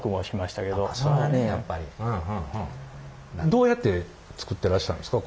どうやって作ってらっしゃるんですか？